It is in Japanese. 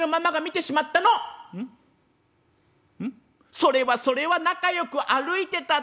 「それはそれは仲よく歩いてたって」。